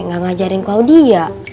gak ngajarin klaudia